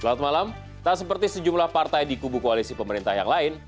selamat malam tak seperti sejumlah partai di kubu koalisi pemerintah yang lain